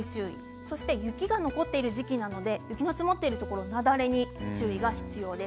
そして雪が残っている時期なので雪の積もっているところは雪崩に注意が必要です。